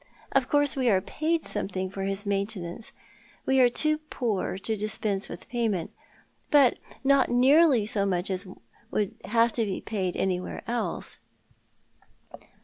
Of course we are paid something for his maintenance — we are too poor to dispense with payment— but not nearly so much as would have to be paid anywhere else."